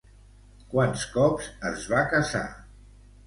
Quants cops es va casar?